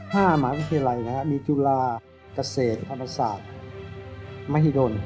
๕หมายวิทยาลัยนะครับมีจุฬากระเศษธรรมศาสตร์มหิดล